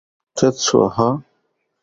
Tetsuya, হাহ?